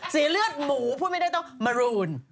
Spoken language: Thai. เลือดหมูพูดไม่ได้ต้องมารูน